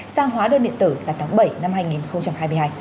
sang hóa đơn điện tử là tháng bảy năm hai nghìn hai mươi hai